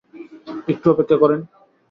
একটু অপেক্ষা করেন।